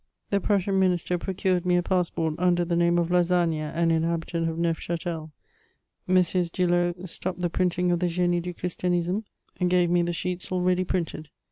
The Prussian minister procured me a passport under the name of Lassagp[ie, an inhabitant of Neufch&teL MM. Dulau stopped the printing of the Genie du Christianismey and gave me the sheets already printed.